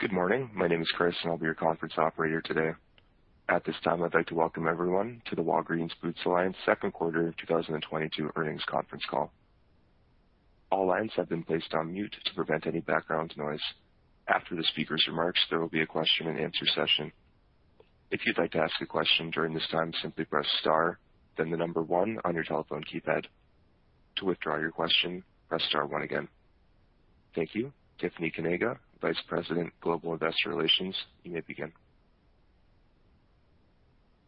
Good morning. My name is Chris, and I'll be your conference operator today. At this time, I'd like to welcome everyone to the Walgreens Boots Alliance Q2 2022 Earnings Conference Call. All lines have been placed on mute to prevent any background noise. After the speaker's remarks, there will be a question-and-answer session. If you'd like to ask a question during this time, simply press star, then the number one on your telephone keypad. To withdraw your question, press star one again. Thank you. Tiffany Kanaga, Vice President, Global Investor Relations, you may begin.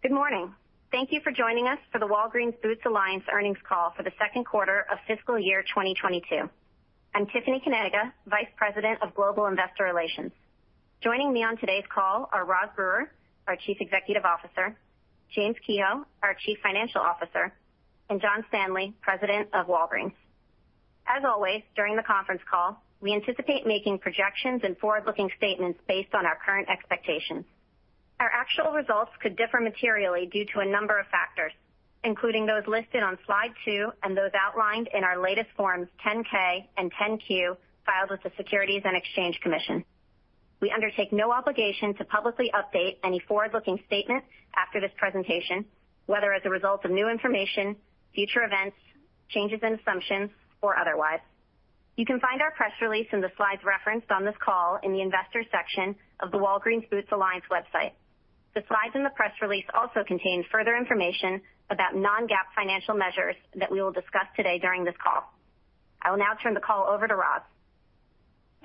Good morning. Thank you for joining us for the Walgreens Boots Alliance Earnings Call for Q2 of Fiscal Year 2022. I'm Tiffany Kanaga, Vice President of Global Investor Relations. Joining me on today's call are Roz Brewer, our Chief Executive Officer; James Kehoe, our Chief Financial Officer; and John Standley, President of Walgreens. As always, during the conference call, we anticipate making projections and forward-looking statements based on our current expectations. Our actual results could differ materially due to a number of factors, including those listed on slide two and those outlined in our latest Forms 10-K and 10-Q filed with the Securities and Exchange Commission. We undertake no obligation to publicly update any forward-looking statements after this presentation, whether as a result of new information, future events, changes in assumptions, or otherwise. You can find our press release and the slides referenced on this call in the Investors section of the Walgreens Boots Alliance website. The slides and the press release also contain further information about non-GAAP financial measures that we will discuss today during this call. I will now turn the call over to Roz.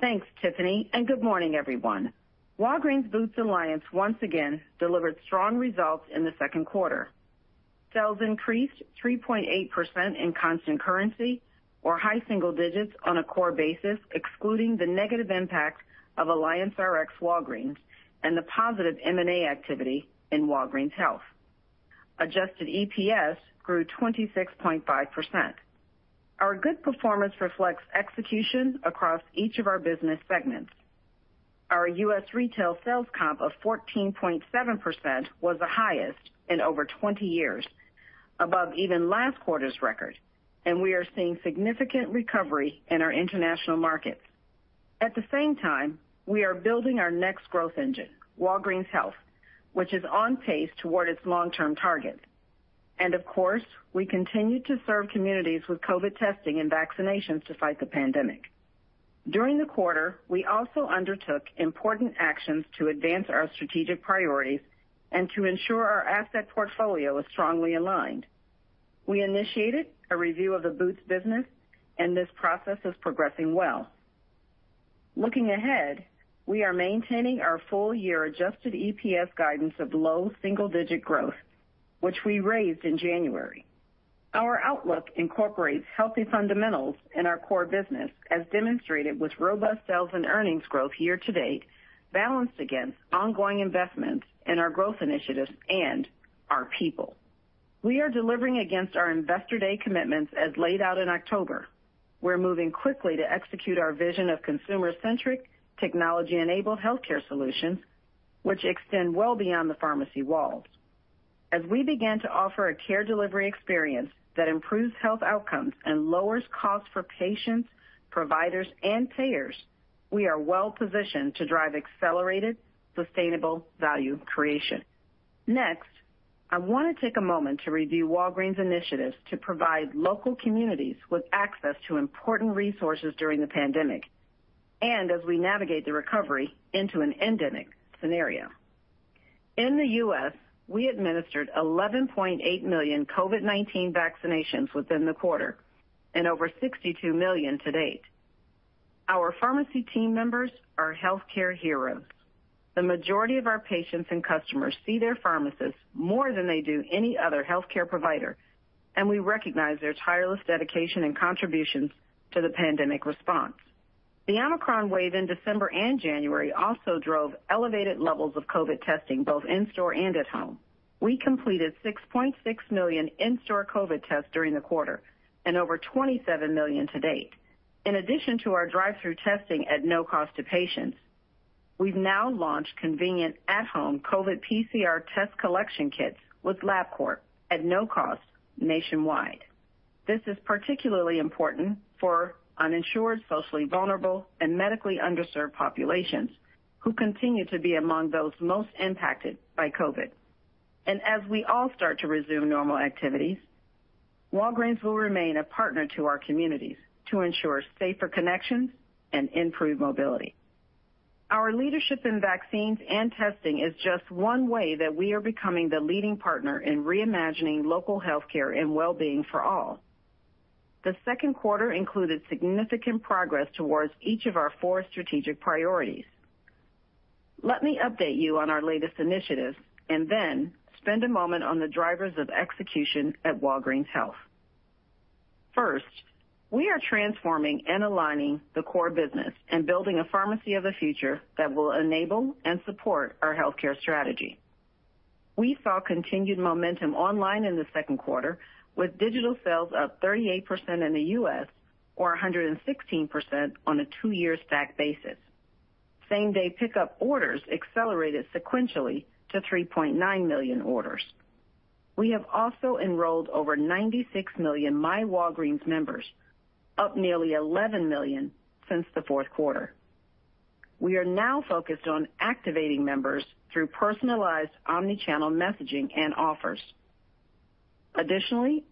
Thanks, Tiffany, and good morning, everyone. Walgreens Boots Alliance once again delivered strong results in Q2. Sales increased 3.8% in constant currency or high single digits on a core basis, excluding the negative impact of AllianceRx Walgreens and the positive M&A activity in Walgreens Health. Adjusted EPS grew 26.5%. Our good performance reflects execution across each of our business segments. Our U.S. retail sales comp of 14.7% was the highest in over 20 years, above even last quarter's record, and we are seeing significant recovery in our international markets. At the same time, we are building our next growth engine, Walgreens Health, which is on pace toward its long-term target. Of course, we continue to serve communities with COVID testing and vaccinations to fight the pandemic. During the quarter, we also undertook important actions to advance our strategic priorities and to ensure our asset portfolio is strongly aligned. We initiated a review of the Boots business and this process is progressing well. Looking ahead, we are maintaining our full-year adjusted EPS guidance of low single-digit growth, which we raised in January. Our outlook incorporates healthy fundamentals in our core business, as demonstrated with robust sales and earnings growth year to date, balanced against ongoing investments in our growth initiatives and our people. We are delivering against our Investor Day commitments as laid out in October. We're moving quickly to execute our vision of consumer-centric, technology-enabled healthcare solutions which extend well beyond the pharmacy walls. As we begin to offer a care delivery experience that improves health outcomes and lowers costs for patients, providers, and payers, we are well-positioned to drive accelerated, sustainable value creation. Next, I wanna take a moment to review Walgreens' initiatives to provide local communities with access to important resources during the pandemic and as we navigate the recovery into an endemic scenario. In the U.S., we administered 11.8 million COVID-19 vaccinations within the quarter and over 62 million to date. Our pharmacy team members are healthcare heroes. The majority of our patients and customers see their pharmacists more than they do any other healthcare provider, and we recognize their tireless dedication and contributions to the pandemic response. The Omicron wave in December and January also drove elevated levels of COVID testing, both in-store and at home. We completed 6.6 million in-store COVID tests during the quarter and over 27 million to date. In addition to our drive-through testing at no cost to patients, we've now launched convenient at-home COVID PCR test collection kits with LabCorp at no cost nationwide. This is particularly important for uninsured, socially vulnerable, and medically underserved populations who continue to be among those most impacted by COVID. As we all start to resume normal activities, Walgreens will remain a partner to our communities to ensure safer connections and improved mobility. Our leadership in vaccines and testing is just one way that we are becoming the leading partner in reimagining local healthcare and wellbeing for all. Q2 included significant progress towards each of our four strategic priorities. Let me update you on our latest initiatives and then spend a moment on the drivers of execution at Walgreens Health. First, we are transforming and aligning the core business and building a pharmacy of the future that will enable and support our healthcare strategy. We saw continued momentum online in Q2, with digital sales up 38% in the U.S. or 116% on a two-year stack basis. Same-day pickup orders accelerated sequentially to 3.9 million orders. We have also enrolled over 96 million myWalgreens members, up nearly 11 million since the fourth quarter. We are now focused on activating members through personalized omni-channel messaging and offers. Additionally,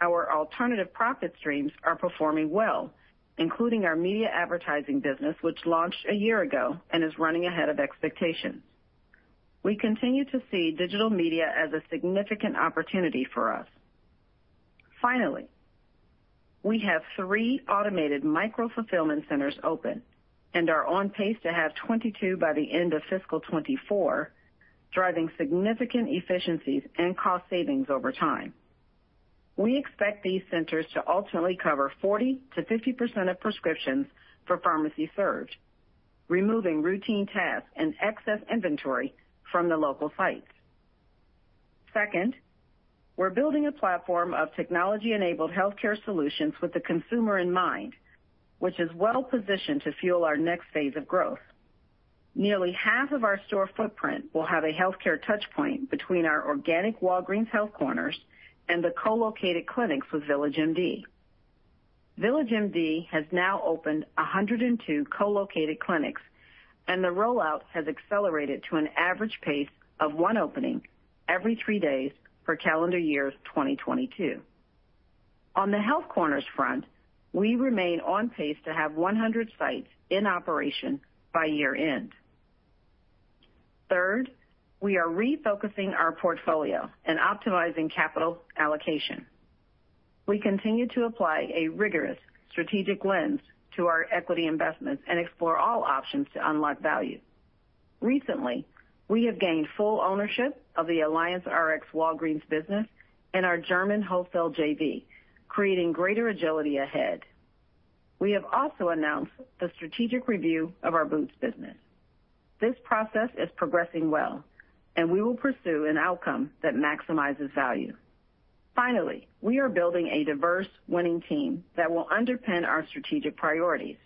our alternative profit streams are performing well, including our media advertising business, which launched a year ago and is running ahead of expectations. We continue to see digital media as a significant opportunity for us. Finally, we have three automated micro-fulfillment centers open and are on pace to have 22 by the end of fiscal 2024, driving significant efficiencies and cost savings over time. We expect these centers to ultimately cover 40%-50% of prescriptions for pharmacies served, removing routine tasks and excess inventory from the local sites. Second, we're building a platform of technology-enabled healthcare solutions with the consumer in mind, which is well-positioned to fuel our next phase of growth. Nearly half of our store footprint will have a healthcare touchpoint between our organic Walgreens Health Corners and the co-located clinics with VillageMD. VillageMD has now opened 102 co-located clinics, and the rollout has accelerated to an average pace of one opening every three days for calendar year 2022. On the Health Corners front, we remain on pace to have 100 sites in operation by year-end. Third, we are refocusing our portfolio and optimizing capital allocation. We continue to apply a rigorous strategic lens to our equity investments and explore all options to unlock value. Recently, we have gained full ownership of the AllianceRx Walgreens business and our German wholesale JV, creating greater agility ahead. We have also announced the strategic review of our Boots business. This process is progressing well, and we will pursue an outcome that maximizes value. Finally, we are building a diverse winning team that will underpin our strategic priorities.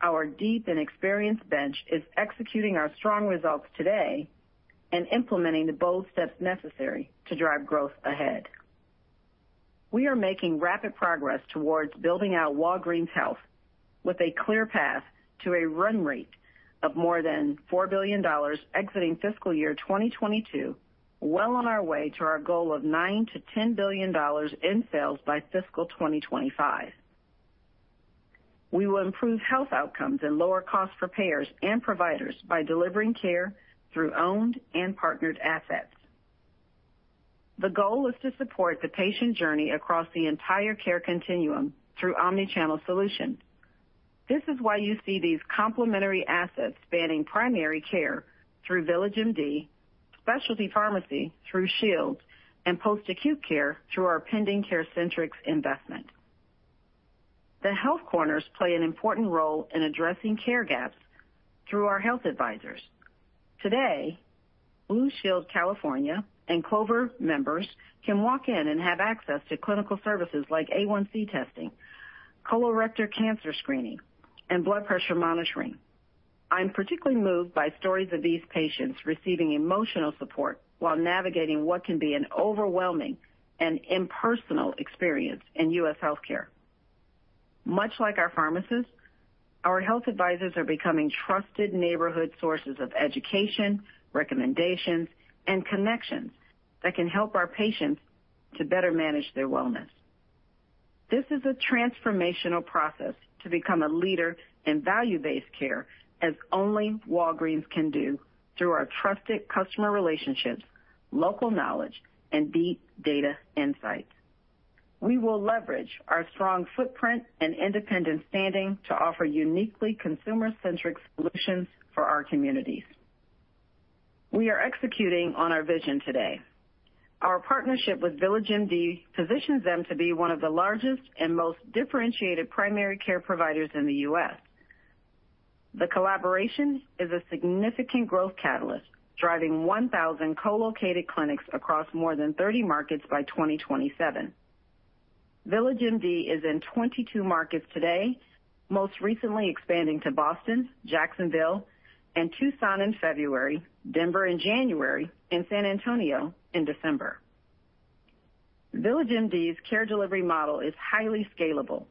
Our deep and experienced bench is executing our strong results today and implementing the bold steps necessary to drive growth ahead. We are making rapid progress towards building out Walgreens Health with a clear path to a run rate of more than $4 billion exiting fiscal year 2022, well on our way to our goal of $9-10 billion in sales by fiscal 2025. We will improve health outcomes and lower costs for payers and providers by delivering care through owned and partnered assets. The goal is to support the patient journey across the entire care continuum through omni-channel solutions. This is why you see these complementary assets spanning primary care through VillageMD, specialty pharmacy through Shields, and post-acute care through our pending CareCentrix investment. The Health Corners play an important role in addressing care gaps through our health advisors. Today, Blue Shield of California and Clover Health members can walk in and have access to clinical services like A1C testing, colorectal cancer screening, and blood pressure monitoring. I'm particularly moved by stories of these patients receiving emotional support while navigating what can be an overwhelming and impersonal experience in U.S. healthcare. Much like our pharmacists, our health advisors are becoming trusted neighborhood sources of education, recommendations, and connections that can help our patients to better manage their wellness. This is a transformational process to become a leader in value-based care as only Walgreens can do through our trusted customer relationships, local knowledge, and deep data insights. We will leverage our strong footprint and independent standing to offer uniquely consumer-centric solutions for our communities. We are executing on our vision today. Our partnership with VillageMD positions them to be one of the largest and most differentiated primary care providers in the U.S. The collaboration is a significant growth catalyst, driving 1,000 co-located clinics across more than 30 markets by 2027. VillageMD is in 22 markets today, most recently expanding to Boston, Jacksonville, and Tucson in February, Denver in January, and San Antonio in December. VillageMD's care delivery model is highly scalable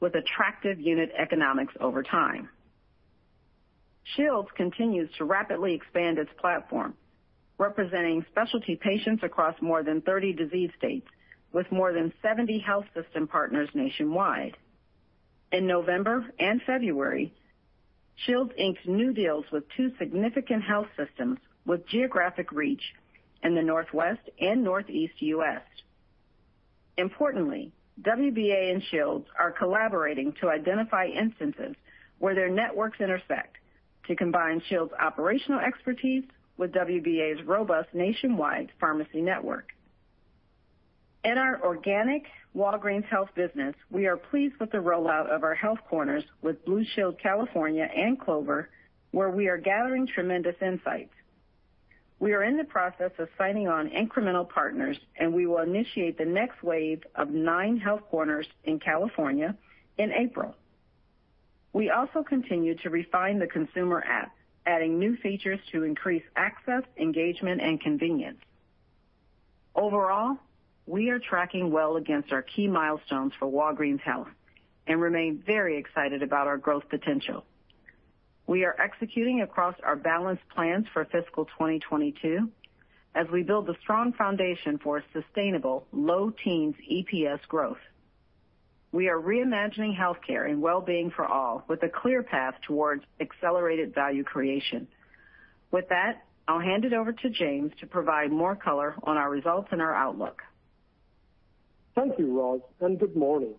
with attractive unit economics over time. Shields continues to rapidly expand its platform, representing specialty patients across more than 30 disease states with more than 70 health system partners nationwide. In November and February, Shields inked new deals with two significant health systems with geographic reach in the Northwest and Northeast U.S. Importantly, WBA and Shields are collaborating to identify instances where their networks intersect to combine Shields' operational expertise with WBA's robust nationwide pharmacy network. In our organic Walgreens Health business, we are pleased with the rollout of our Health Corners with Blue Shield of California and Clover Health, where we are gathering tremendous insights. We are in the process of signing on incremental partners, and we will initiate the next wave of nine Health Corners in California in April. We also continue to refine the consumer app, adding new features to increase access, engagement and convenience. Overall, we are tracking well against our key milestones for Walgreens Health and remain very excited about our growth potential. We are executing across our balanced plans for fiscal 2022 as we build a strong foundation for sustainable low teens EPS growth. We are reimagining healthcare and well-being for all with a clear path towards accelerated value creation. With that, I'll hand it over to James to provide more color on our results and our outlook. Thank you, Roz, and good morning.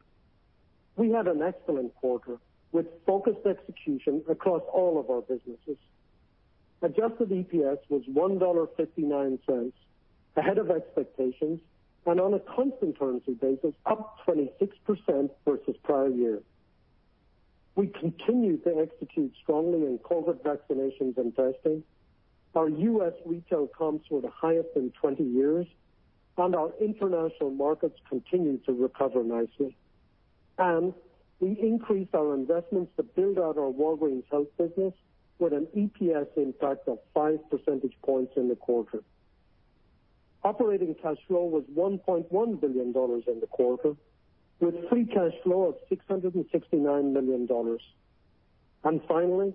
We had an excellent quarter with focused execution across all of our businesses. Adjusted EPS was $1.59, ahead of expectations and on a constant currency basis, up 26% versus prior year. We continue to execute strongly in COVID vaccinations and testing. Our U.S. retail comps were the highest in 20 years, and our international markets continue to recover nicely. We increased our investments to build out our Walgreens Health business with an EPS impact of five percentage points in the quarter. Operating cash flow was $1.1 billion in the quarter, with free cash flow of $669 million. Finally,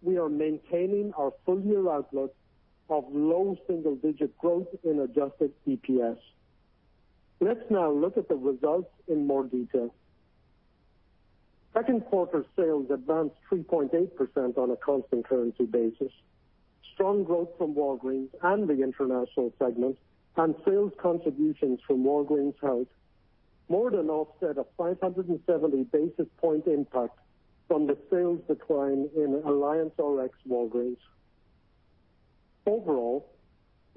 we are maintaining our full-year outlook of low single-digit growth in adjusted EPS. Let's now look at the results in more detail. Q2 sales advanced 3.8% on a constant currency basis. Strong growth from Walgreens and the international segment and sales contributions from Walgreens Health more than offset a 570 basis points impact from the sales decline in AllianceRx Walgreens. Overall,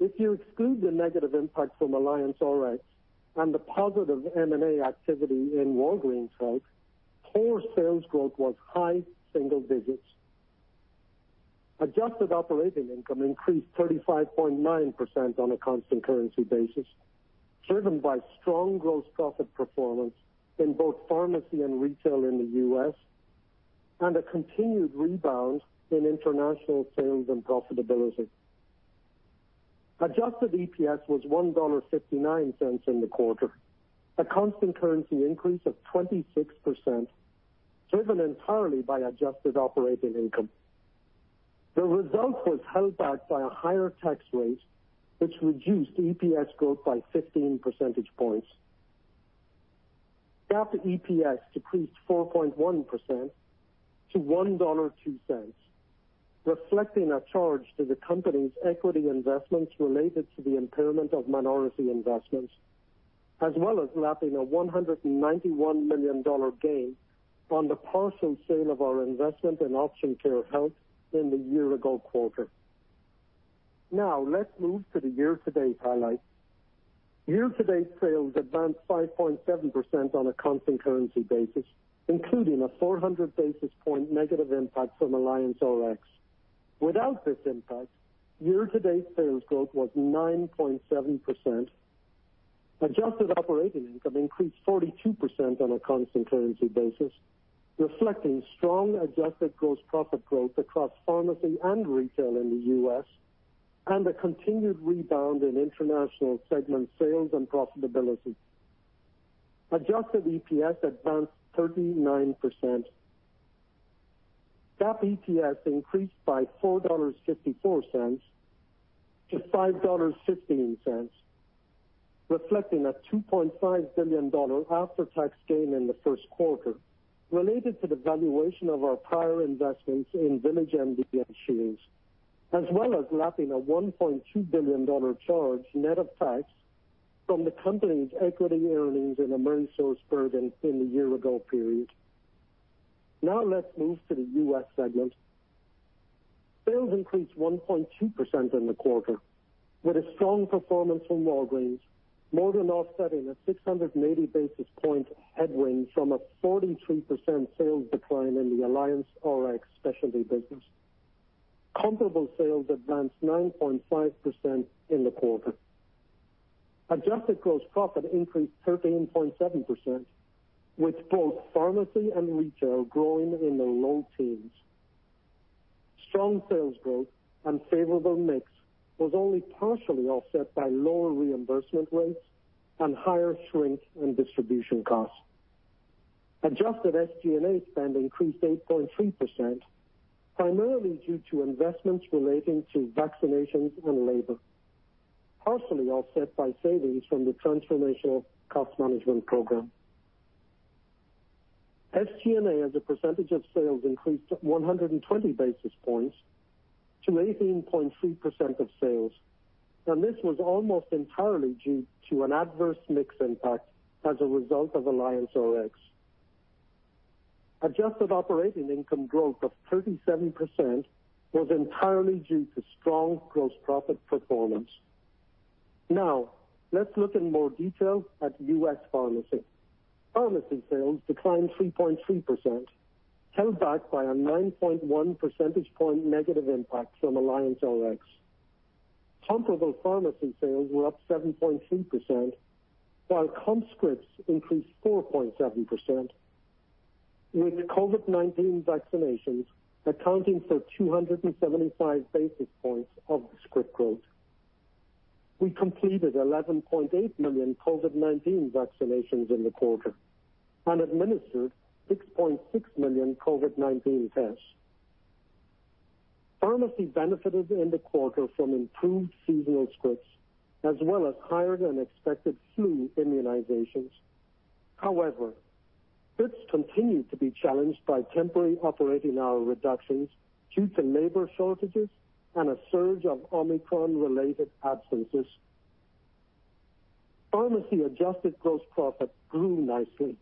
if you exclude the negative impact from AllianceRx and the positive M&A activity in Walgreens Health, core sales growth was high single digits. Adjusted operating income increased 35.9% on a constant currency basis, driven by strong gross profit performance in both pharmacy and retail in the U.S. and a continued rebound in international sales and profitability. Adjusted EPS was $1.59 in the quarter, a constant currency increase of 26%, driven entirely by adjusted operating income. The result was held back by a higher tax rate, which reduced EPS growth by 15 percentage points. GAAP EPS decreased 4.1% to $1.02, reflecting a charge to the company's equity investments related to the impairment of minority investments, as well as lapping a $191 million gain on the partial sale of our investment in Option Care Health in the year-ago quarter. Now let's move to the year-to-date highlights. Year-to-date sales advanced 5.7% on a constant currency basis, including a 400 basis point negative impact from AllianceRx. Without this impact, year-to-date sales growth was 9.7%. Adjusted operating income increased 42% on a constant currency basis, reflecting strong adjusted gross profit growth across pharmacy and retail in the U.S. and a continued rebound in international segment sales and profitability. Adjusted EPS advanced 39%. GAAP EPS increased by $4.54 to 5.15, reflecting a $2.5 billion after-tax gain in the first quarter related to the valuation of our prior investments in VillageMD and Shields, as well as lapping a $1.2 billion charge net of tax from the company's equity earnings in AmerisourceBergen in the year-ago period. Now let's move to the U.S. segment. Sales increased 1.2% in the quarter, with a strong performance from Walgreens more than offsetting a 680 basis point headwind from a 43% sales decline in the Alliance Rx specialty business. Comparable sales advanced 9.5% in the quarter. Adjusted gross profit increased 13.7%, with both pharmacy and retail growing in the low teens. Strong sales growth and favorable mix was only partially offset by lower reimbursement rates and higher shrink and distribution costs. Adjusted SG&A spend increased 8.3%, primarily due to investments relating to vaccinations and labor, partially offset by savings from the Transformational Cost Management Program. SG&A as a percentage of sales increased 120 basis points to 18.3% of sales, and this was almost entirely due to an adverse mix impact as a result of AllianceRx. Adjusted operating income growth of 37% was entirely due to strong gross profit performance. Now, let's look in more detail at U.S. pharmacy. Pharmacy sales declined 3.3%, held back by a 9.1 percentage point negative impact from AllianceRx. Comparable pharmacy sales were up 7.3%, while comp scripts increased 4.7%, with COVID-19 vaccinations accounting for 275 basis points of the script growth. We completed 11.8 million COVID-19 vaccinations in the quarter and administered 6.6 million COVID-19 tests. Pharmacy benefited in the quarter from improved seasonal scripts as well as higher-than-expected flu immunizations. However, stores continued to be challenged by temporary operating hour reductions due to labor shortages and a surge of Omicron-related absences. Pharmacy adjusted gross profit grew nicely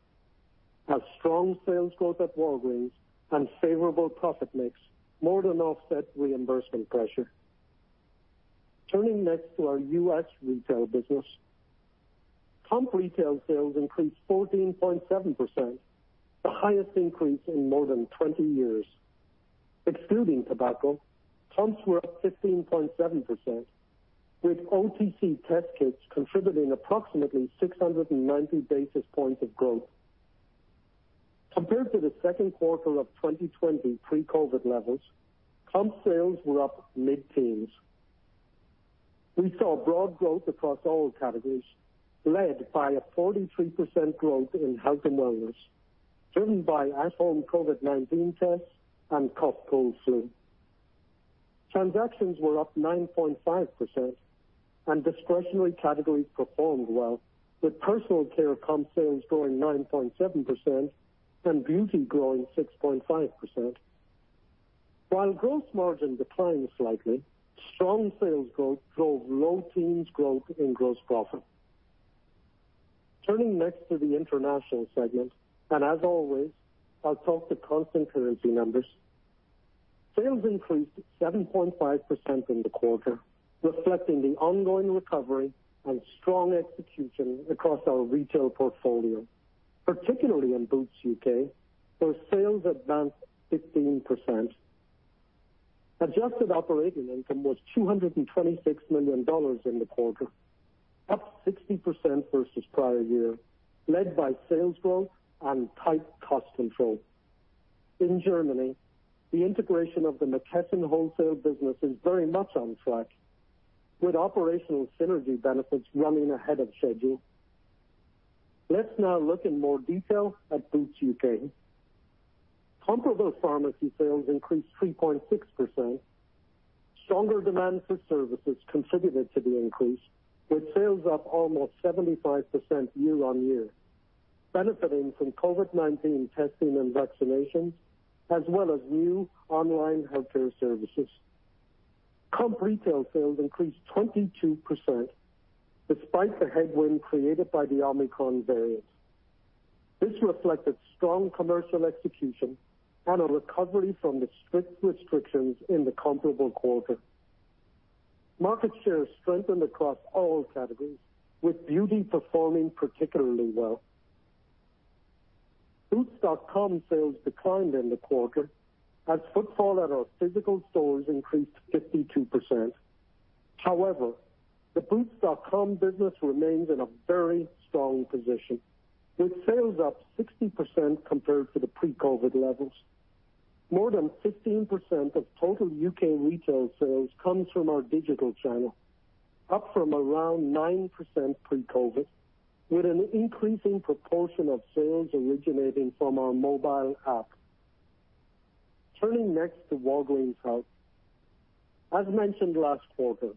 as strong sales growth at Walgreens and favorable profit mix more than offset reimbursement pressure. Turning next to our U.S. retail business. Comp retail sales increased 14.7%, the highest increase in more than 20 years. Excluding tobacco, comps were up 15.7%, with OTC test kits contributing approximately 690 basis points of growth. Compared to Q2 of 2020 pre-COVID levels, comp sales were up mid-teens. We saw broad growth across all categories, led by a 43% growth in health and wellness, driven by at-home COVID-19 tests and cough, cold, flu. Transactions were up 9.5% and discretionary categories performed well, with personal care comp sales growing 9.7% and beauty growing 6.5%. While gross margin declined slightly, strong sales growth drove low teens growth in gross profit. Turning next to the international segment, and as always, I'll talk to constant currency numbers. Sales increased 7.5% in the quarter, reflecting the ongoing recovery and strong execution across our retail portfolio, particularly in Boots U.K., where sales advanced 15%. Adjusted operating income was $226 million in the quarter, up 60% versus prior year, led by sales growth and tight cost control. In Germany, the integration of the McKesson wholesale business is very much on track, with operational synergy benefits running ahead of schedule. Let's now look in more detail at Boots U.K.. Comparable pharmacy sales increased 3.6%. Stronger demand for services contributed to the increase, with sales up almost 75% year on year, benefiting from COVID-19 testing and vaccinations, as well as new online healthcare services. Comp retail sales increased 22% despite the headwind created by the Omicron variant. This reflected strong commercial execution and a recovery from the strict restrictions in the comparable quarter. Market share strengthened across all categories, with beauty performing particularly well. boots.com sales declined in the quarter as footfall at our physical stores increased 52%. However, the boots.com business remains in a very strong position, with sales up 60% compared to the pre-COVID levels. More than 15% of total U.K. retail sales comes from our digital channel, up from around 9% pre-COVID, with an increasing proportion of sales originating from our mobile app. Turning next to Walgreens Health. As mentioned last quarter,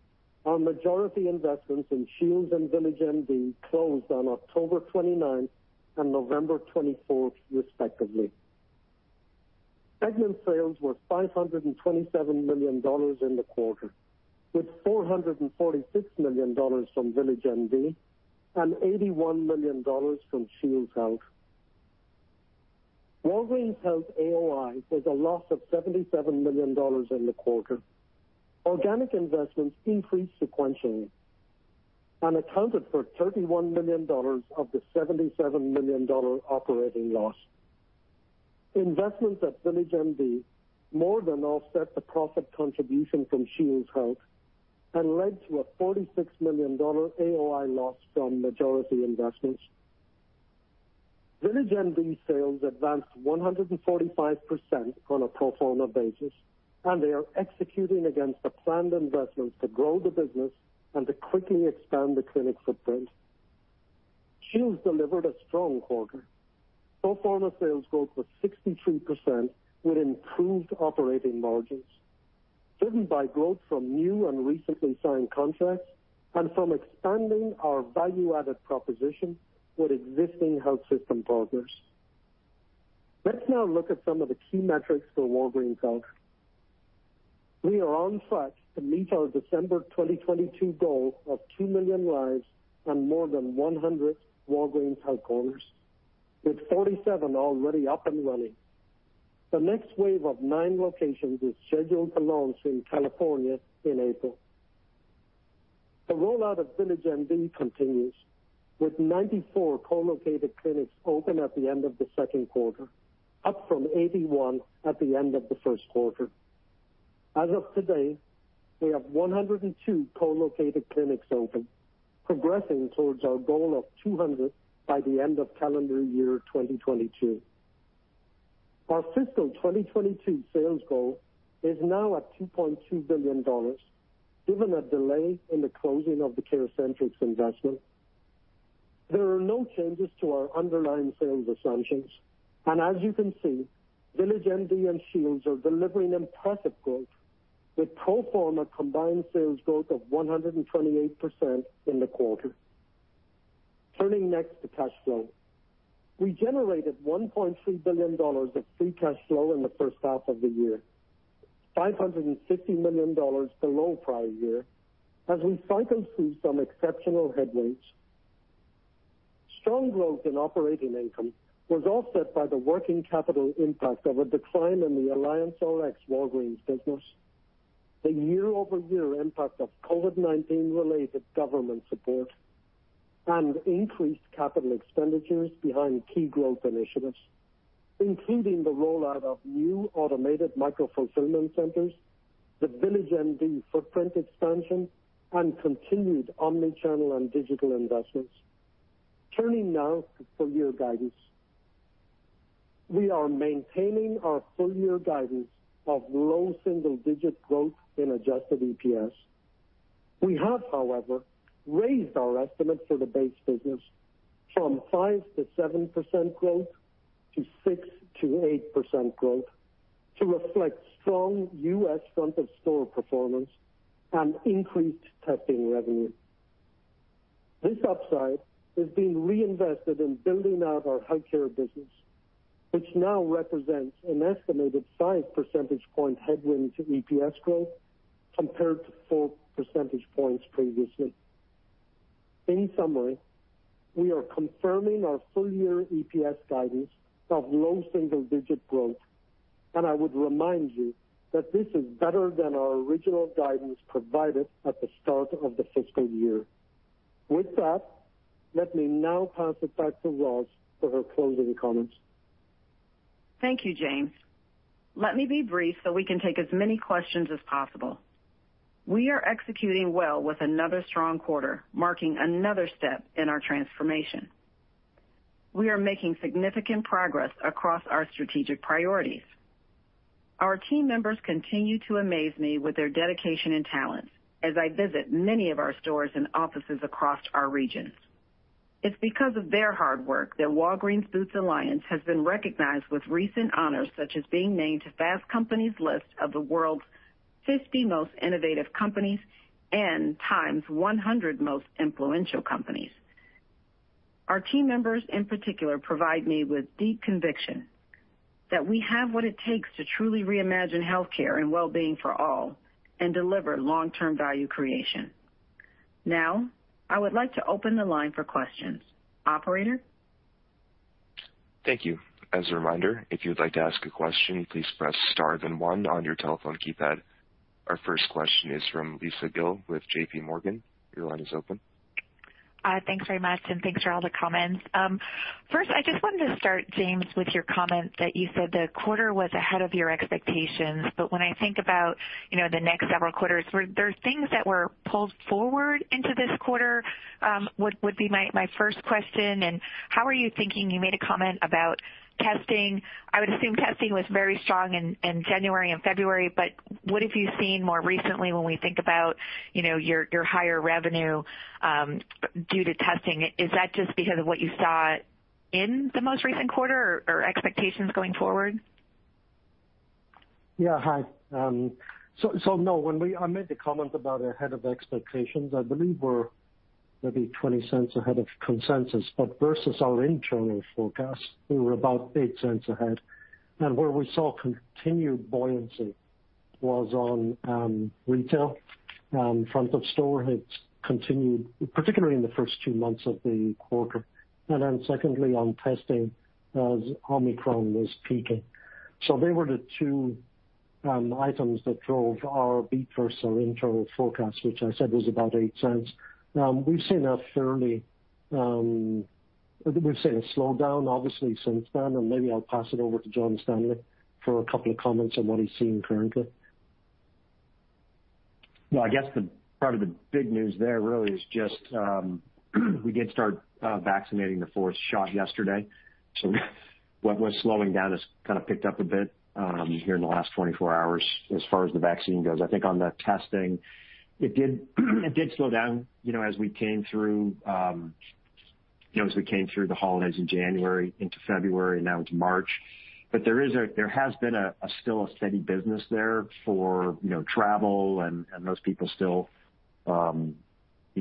our majority investments in Shields and VillageMD closed on October 29 and November 24, respectively. Segment sales were $527 million in the quarter, with $446 million from VillageMD and $81 million from Shields Health. Walgreens Health AOI was a loss of $77 million in the quarter. Organic investments increased sequentially and accounted for $31 of the 77 million operating loss. Investments at VillageMD more than offset the profit contribution from Shields Health and led to a $46 million AOI loss from majority investments. VillageMD sales advanced 145% on a pro forma basis, and they are executing against the planned investments to grow the business and to quickly expand the clinic footprint. Shields delivered a strong quarter. Pro forma sales growth was 63% with improved operating margins, driven by growth from new and recently signed contracts and from expanding our value-added proposition with existing health system partners. Let's now look at some of the key metrics for Walgreens Health. We are on track to meet our December 2022 goal of two million lives and more than 100 Walgreens Health Corners, with 47 already up and running. The next wave of nine locations is scheduled to launch in California in April. The rollout of VillageMD continues with 94 co-located clinics open at the end of the second quarter, up from 81 at the end of Q1. As of today, we have 102 co-located clinics open, progressing towards our goal of 200 by the end of calendar year 2022. Our fiscal 2022 sales goal is now at $2.2 billion given a delay in the closing of the CareCentrix investment. There are no changes to our underlying sales assumptions. As you can see, VillageMD and Shields are delivering impressive growth with pro forma combined sales growth of 128% in the quarter. Turning next to cash flow. We generated $1.3 billion of free cash flow in the first half of the year, $550 million below prior year as we cycled through some exceptional headwinds. Strong growth in operating income was offset by the working capital impact of a decline in the AllianceRx Walgreens business, the year-over-year impact of COVID-19 related government support and increased capital expenditures behind key growth initiatives, including the rollout of new automated micro-fulfillment centers, the VillageMD footprint expansion, and continued omni-channel and digital investments. Turning now to full year guidance. We are maintaining our full year guidance of low single-digit growth in adjusted EPS. We have, however, raised our estimate for the base business from 5%-7% growth to 6%-8% growth to reflect strong U.S. front of store performance and increased testing revenue. This upside is being reinvested in building out our healthcare business, which now represents an estimated five percentage point headwind to EPS growth compared to four percentage points previously. In summary, we are confirming our full year EPS guidance of low single-digit growth, and I would remind you that this is better than our original guidance provided at the start of the fiscal year. With that, let me now pass it back to Roz for her closing comments. Thank you, James. Let me be brief so we can take as many questions as possible. We are executing well with another strong quarter, marking another step in our transformation. We are making significant progress across our strategic priorities. Our team members continue to amaze me with their dedication and talent as I visit many of our stores and offices across our regions. It's because of their hard work that Walgreens Boots Alliance has been recognized with recent honors, such as being named Fast Company’s list of the world’s 50 most innovative companies and Time’s 100 Most Influential Companies. Our team members, in particular, provide me with deep conviction that we have what it takes to truly reimagine healthcare and well-being for all and deliver long-term value creation. Now, I would like to open the line for questions. Operator? Thank you. As a reminder, if you'd like to ask a question, please press star then one on your telephone keypad. Our first question is from Lisa Gill with JPMorgan. Your line is open. Thanks very much, and thanks for all the comments. First, I just wanted to start, James, with your comment that you said the quarter was ahead of your expectations. When I think about, you know, the next several quarters, were there things that were pulled forward into this quarter, would be my first question. How are you thinking? You made a comment about testing. I would assume testing was very strong in January and February, but what have you seen more recently when we think about, you know, your higher revenue due to testing? Is that just because of what you saw in the most recent quarter or expectations going forward? Yeah. Hi. So no, I made the comment about ahead of expectations. I believe we're maybe $0.20 ahead of consensus. Versus our internal forecast, we were about $0.08 ahead. Where we saw continued buoyancy was on retail. Front of store had continued, particularly in the first two months of the quarter, and then secondly on testing as Omicron was peaking. They were the two items that drove our beat versus our internal forecast, which I said was about $0.08. We've seen a slowdown, obviously, since then, and maybe I'll pass it over to John Standley for a couple of comments on what he's seeing currently. Well, I guess part of the big news there really is just, we did start vaccinating the fourth shot yesterday. What was slowing down has kind of picked up a bit, here in the last 24 hours as far as the vaccine goes. I think on the testing it did slow down, you know, as we came through the holidays in January into February, now it's March. But there has been a still steady business there for, you know, travel and those people still, you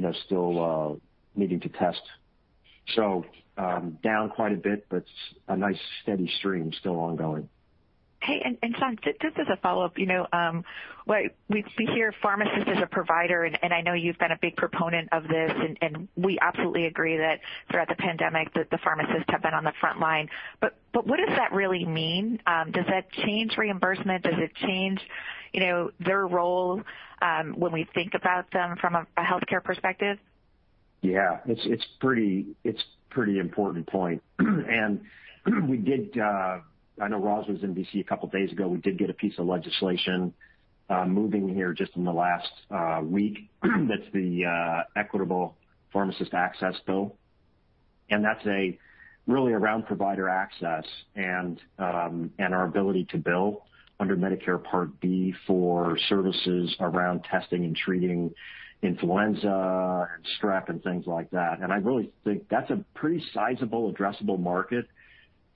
know, still needing to test. Down quite a bit, but a nice steady stream still ongoing. Okay. John, just as a follow-up, you know, we hear pharmacist as a provider, and I know you've been a big proponent of this, and we absolutely agree that throughout the pandemic the pharmacists have been on the front line. But what does that really mean? Does that change reimbursement? Does it change, you know, their role, when we think about them from a healthcare perspective? Yeah, it's pretty important point. I know Roz was in D.C. a couple of days ago. We did get a piece of legislation moving here just in the last week that's the Equitable Community Access to Pharmacist Services Act. That's really around provider access and our ability to bill under Medicare Part D for services around testing and treating influenza and strep and things like that. I really think that's a pretty sizable addressable market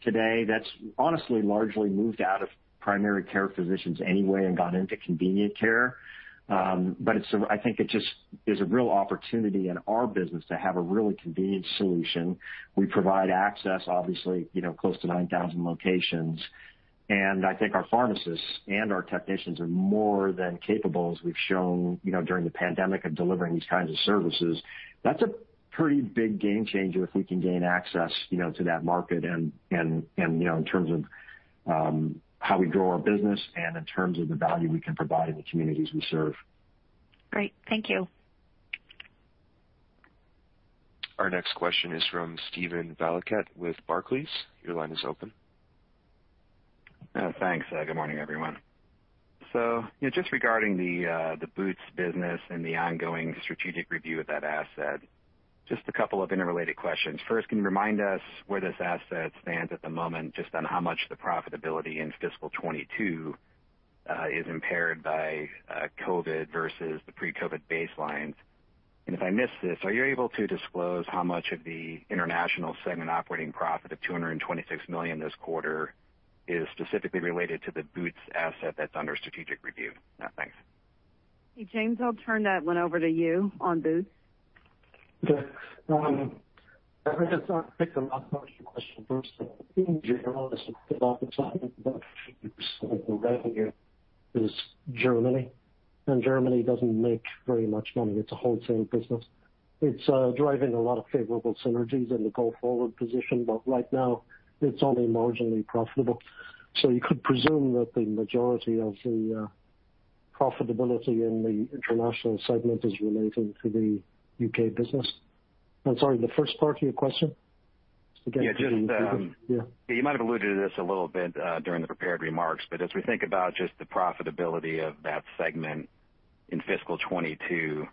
today that's honestly largely moved out of primary care physicians anyway and gone into convenient care. It's a real opportunity in our business to have a really convenient solution. We provide access, obviously, you know, close to 9,000 locations. I think our pharmacists and our technicians are more than capable, as we've shown, you know, during the pandemic, of delivering these kinds of services. That's a pretty big game changer if we can gain access, you know, to that market and, you know, in terms of how we grow our business and in terms of the value we can provide in the communities we serve. Great. Thank you. Our next question is from Steven Valiquette with Barclays. Your line is open. Thanks. Good morning, everyone. Just regarding the Boots business and the ongoing strategic review of that asset, just a couple of interrelated questions. First, can you remind us where this asset stands at the moment, just on how much the profitability in fiscal 2022 is impaired by COVID versus the pre-COVID baselines? And if I missed this, are you able to disclose how much of the international segment operating profit of $226 million this quarter is specifically related to the Boots asset that's under strategic review? Thanks. James, I'll turn that one over to you on Boots. Yes. If I could just pick the last part of your question first. In general, about 5% of revenue is Germany, and Germany doesn't make very much money. It's a wholesale business. It's driving a lot of favorable synergies in the go-forward position, but right now it's only marginally profitable. So you could presume that the majority of the profitability in the International segment is related to the U.K. business. I'm sorry, the first part of your question? Yeah. You might have alluded to this a little bit during the prepared remarks, but as we think about just the profitability of that segment in fiscal 2022,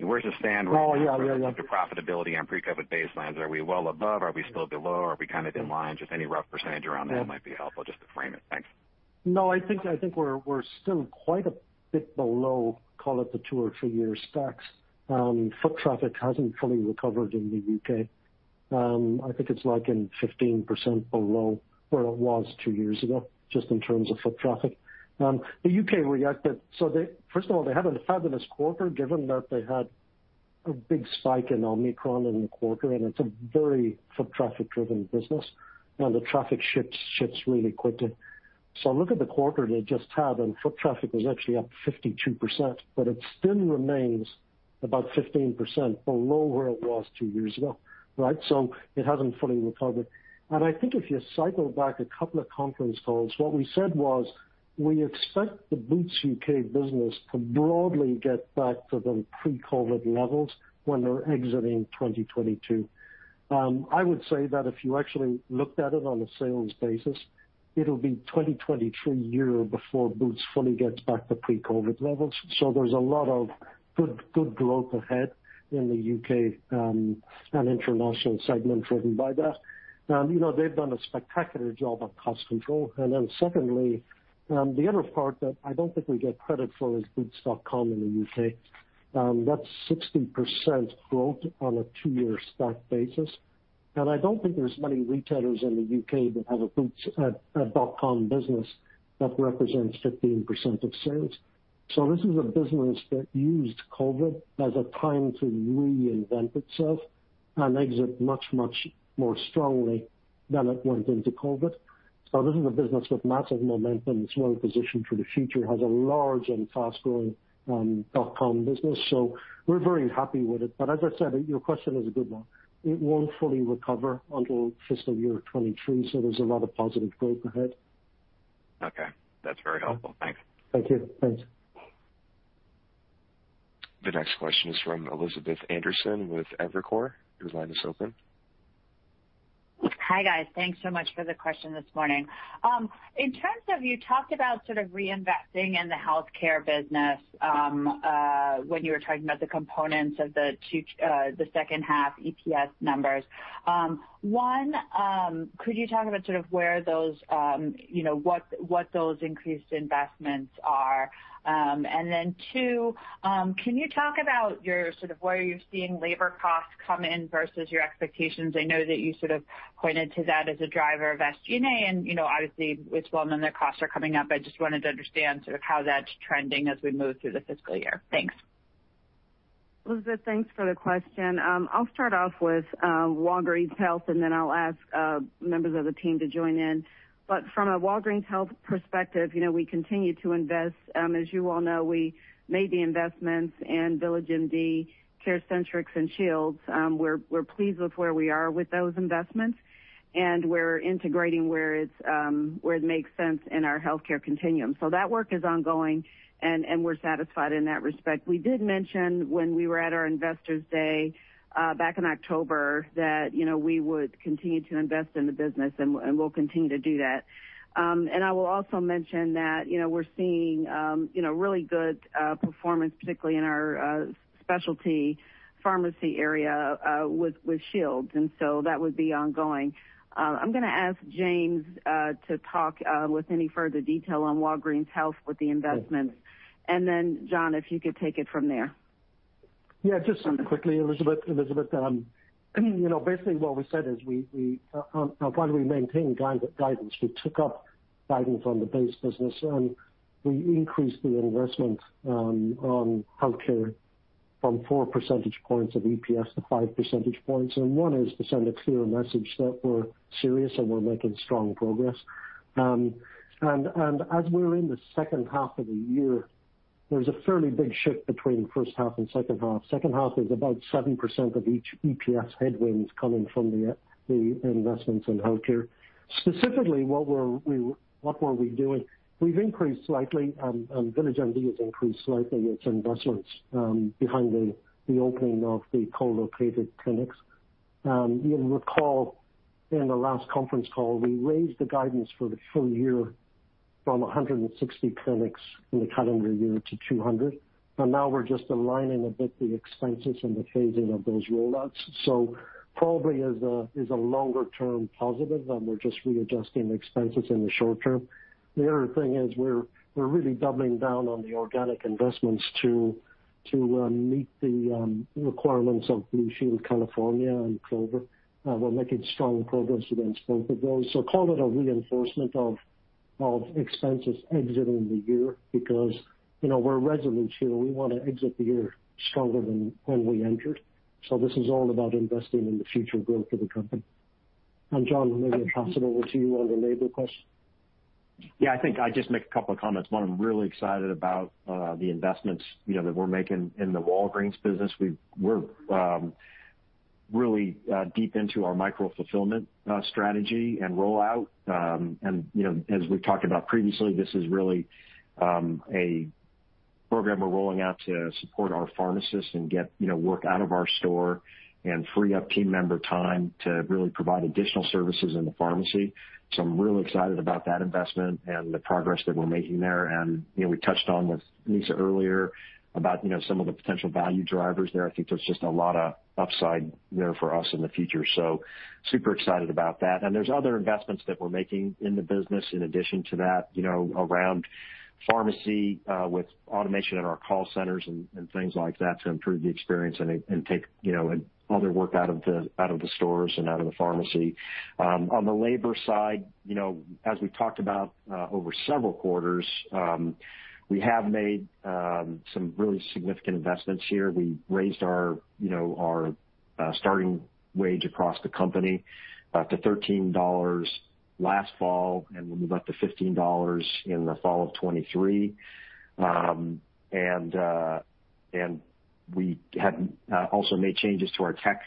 where does it stand with- Oh, yeah, yeah. The profitability on pre-COVID baselines? Are we well above? Are we still below? Are we kind of in line? Just any rough percentage around that might be helpful just to frame it. Thanks. No, I think we're still quite a bit below, call it the two or three year stacks. Foot traffic hasn't fully recovered in the U.K. I think it's like 15% below where it was two years ago, just in terms of foot traffic. First of all, they had a fabulous quarter, given that they had a big spike in Omicron in the quarter, and it's a very foot traffic-driven business, and the traffic shifts really quickly. Look at the quarter they just had, and foot traffic was actually up 52%, but it still remains about 15% below where it was two years ago, right? It hasn't fully recovered. I think if you cycle back a couple of conference calls, what we said was, we expect the Boots U.K. business to broadly get back to the pre-COVID levels when they're exiting 2022. I would say that if you actually looked at it on a sales basis, it'll be 2023 year before Boots fully gets back to pre-COVID levels. There's a lot of good growth ahead in the U.K. and international segment driven by that. You know, they've done a spectacular job on cost control. Then secondly, the other part that I don't think we get credit for is boots.com in the U.K. That's 60% growth on a two-year stack basis. I don't think there's many retailers in the U.K. that have a Boots.com business that represents 15% of sales. This is a business that used COVID as a time to reinvent itself and exit much, much more strongly than it went into COVID. This is a business with massive momentum. It's well-positioned for the future. It has a large and fast-growing dot com business. We're very happy with it. As I said, your question is a good one. It won't fully recover until fiscal year 2023, so there's a lot of positive growth ahead. Okay. That's very helpful. Thanks. Thank you. Thanks. The next question is from Elizabeth Anderson with Evercore. Your line is open. Hi, guys. Thanks so much for the question this morning. In terms of you talked about sort of reinvesting in the healthcare business, when you were talking about the components of the two, the second half EPS numbers. One, could you talk about sort of where those, you know, what those increased investments are? Two, can you talk about your sort of where you're seeing labor costs come in versus your expectations? I know that you sort of pointed to that as a driver of SG&A, and, you know, obviously, with well-known their costs are coming up. I just wanted to understand sort of how that's trending as we move through the fiscal year. Thanks. Elizabeth, thanks for the question. I'll start off with Walgreens Health, and then I'll ask members of the team to join in. From a Walgreens Health perspective, you know, we continue to invest. As you all know, we made the investments in VillageMD, CareCentrix, and Shields. We're pleased with where we are with those investments, and we're integrating where it makes sense in our healthcare continuum. That work is ongoing and we're satisfied in that respect. We did mention when we were at our Investors Day back in October that, you know, we would continue to invest in the business, and we'll continue to do that. And I will also mention that, you know, we're seeing really good performance, particularly in our specialty pharmacy area with Shields. That would be ongoing. I'm gonna ask James to talk with any further detail on Walgreens Health with the investments. Then John, if you could take it from there. Yeah, just quickly, Elizabeth. Elizabeth, you know, basically what we said is we, while we maintain guidance, we took up guidance on the base business, and we increased the investment on healthcare from four percentage points of EPS to five percentage points. One is to send a clear message that we're serious and we're making strong progress. As we're in the second half of the year, there's a fairly big shift between H1 and H2. Second half is about 7% of each EPS headwinds coming from the investments in healthcare. Specifically, what were we doing? We've increased slightly, and VillageMD has increased slightly its investments behind the opening of the co-located clinics. You'll recall in the last conference call, we raised the guidance for the full year from 160 clinics in the calendar year to 200. Now we're just aligning a bit the expenses and the phasing of those rollouts. Probably it's a longer term positive, and we're just readjusting the expenses in the short term. The other thing is we're really doubling down on the organic investments to meet the requirements of Blue Shield of California and Clover Health. We're making strong progress against both of those. Call it a reinforcement of expenses exiting the year because, you know, we're resilient here. We wanna exit the year stronger than when we entered. This is all about investing in the future growth of the company. John, I'm gonna pass it over to you on the labor question. Yeah. I think I just make a couple of comments. One, I'm really excited about the investments, you know, that we're making in the Walgreens business. We're really deep into our micro fulfillment strategy and rollout. You know, as we've talked about previously, this is really a program we're rolling out to support our pharmacists and get, you know, work out of our store and free up team member time to really provide additional services in the pharmacy. I'm really excited about that investment and the progress that we're making there. You know, we touched on with Lisa earlier about, you know, some of the potential value drivers there. I think there's just a lot of upside there for us in the future, so super excited about that. There's other investments that we're making in the business in addition to that, you know, around pharmacy, with automation in our call centers and things like that to improve the experience and take, you know, other work out of the stores and out of the pharmacy. On the labor side, you know, as we talked about over several quarters, we have made some really significant investments here. We raised our starting wage across the company to $13 last fall, and we'll move up to $15 in the fall of 2023. And we have also made changes to our tech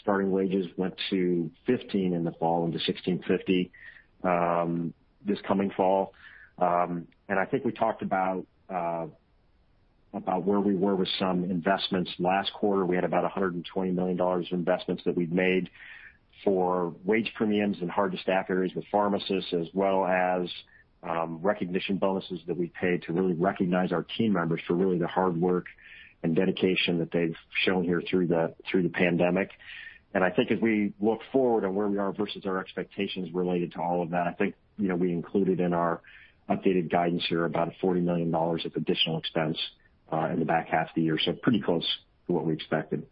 starting wages, went to $15 in the fall into 16.50 this coming fall. I think we talked about where we were with some investments. Last quarter, we had about $120 million of investments that we've made for wage premiums in hard to staff areas with pharmacists as well as recognition bonuses that we paid to really recognize our team members for really the hard work and dedication that they've shown here through the pandemic. I think as we look forward on where we are versus our expectations related to all of that, I think, you know, we included in our updated guidance here about $40 million of additional expense in the back half of the year. Pretty close to what we expected.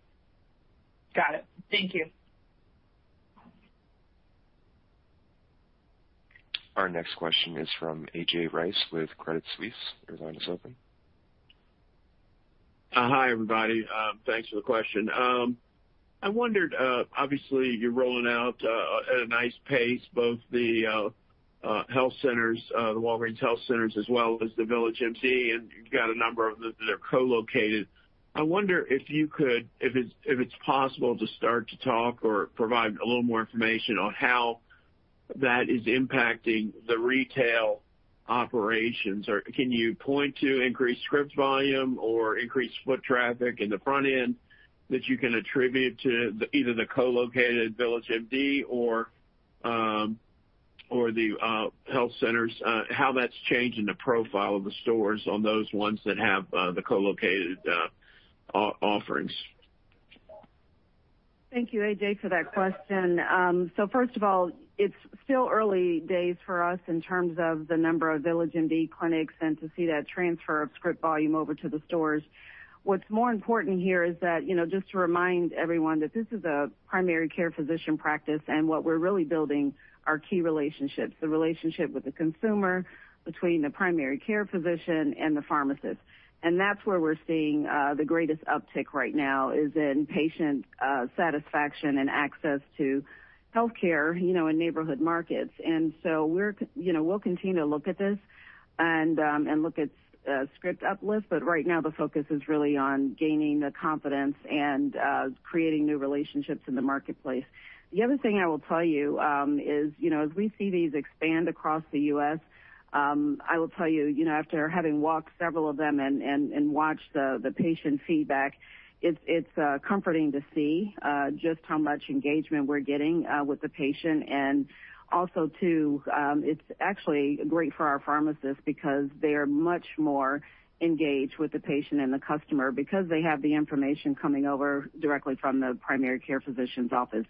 Got it. Thank you. Our next question is from A.J. Rice with Credit Suisse. Your line is open. Hi, everybody. Thanks for the question. I wondered, obviously, you're rolling out at a nice pace, both the health centers, the Walgreens Health centers as well as the VillageMD, and you've got a number of them that are co-located. I wonder if it's possible to start to talk or provide a little more information on how that is impacting the retail operations. Or can you point to increased script volume or increased foot traffic in the front end that you can attribute to either the co-located VillageMD or the health centers, how that's changing the profile of the stores on those ones that have the co-located offerings? Thank you, A.J., for that question. So first of all, it's still early days for us in terms of the number of VillageMD clinics and to see that transfer of script volume over to the stores. What's more important here is that, you know, just to remind everyone that this is a primary care physician practice, and what we're really building are key relationships, the relationship with the consumer, between the primary care physician and the pharmacist. That's where we're seeing the greatest uptick right now is in patient satisfaction and access to healthcare, you know, in neighborhood markets. You know, we'll continue to look at this and look at script uplifts. Right now, the focus is really on gaining the confidence and creating new relationships in the marketplace. The other thing I will tell you is, you know, as we see these expand across the U.S., I will tell you know, after having walked several of them and watched the patient feedback, it's comforting to see just how much engagement we're getting with the patient and also too, it's actually great for our pharmacists because they are much more engaged with the patient and the customer because they have the information coming over directly from the primary care physician's office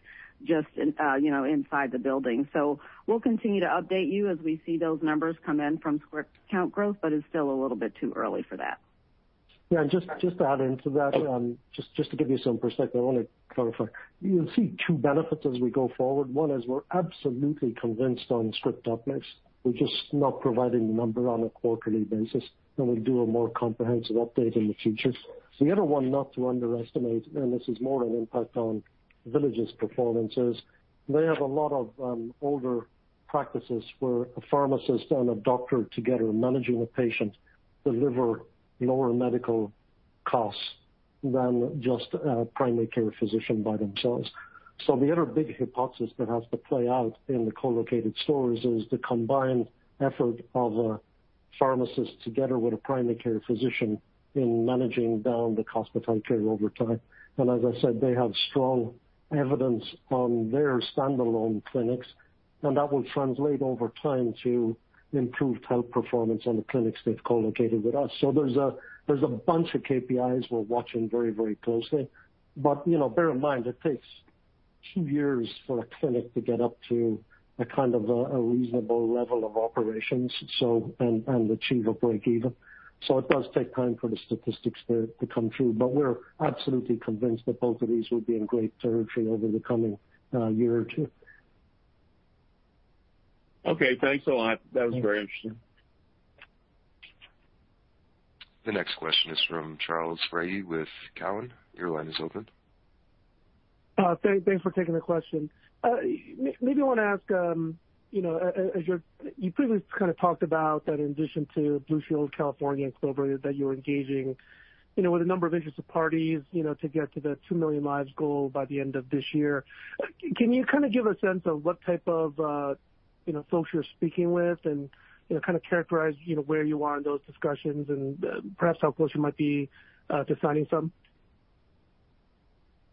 just in, you know, inside the building. So we'll continue to update you as we see those numbers come in from script count growth, but it's still a little bit too early for that. Yeah, just to add into that, just to give you some perspective, I wanna clarify. You'll see two benefits as we go forward. One is we're absolutely convinced on script uplifts. We're just not providing the number on a quarterly basis, and we'll do a more comprehensive update in the future. The other one not to underestimate, and this is more an impact on VillageMD's performances. They have a lot of older practices where a pharmacist and a doctor together managing a patient deliver lower medical costs than just a primary care physician by themselves. The other big hypothesis that has to play out in the co-located stores is the combined effort of a pharmacist together with a primary care physician in managing down the cost of health care over time. As I said, they have strong evidence on their standalone clinics, and that will translate over time to improved health performance on the clinics they've co-located with us. There's a bunch of KPIs we're watching very, very closely. You know, bear in mind it takes two years for a clinic to get up to a kind of a reasonable level of operations, and achieve a break-even. It does take time for the statistics to come through, but we're absolutely convinced that both of these will be in great territory over the coming year or two. Okay, thanks a lot. That was very interesting. The next question is from Charles Rhyee with Cowen. Your line is open. Thanks for taking the question. Maybe wanna ask, you know, as you previously kind of talked about that in addition to Blue Shield of California and Clover that you're engaging, you know, with a number of interested parties, you know, to get to the two million lives goal by the end of this year. Can you kinda give a sense of what type of, you know, folks you're speaking with and, you know, kinda characterize, you know, where you are in those discussions and, perhaps how close you might be, to signing some?